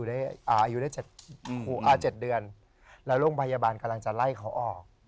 อายุได้๗เดือนแล้วโรงพยาบาลกำลังจะไล่เขาออก